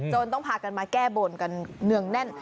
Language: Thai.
ต้องพากันมาแก้บนกันเนืองแน่น